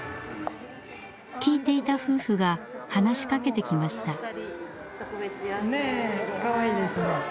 聴いていた夫婦が話しかけてきました。